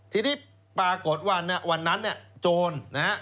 ทีนี้ปรากฏว่าวันนั้นเนี่ยโจรนะฮะ